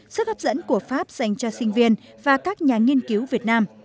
sức hấp dẫn của pháp dành cho sinh viên và các nhà nghiên cứu việt nam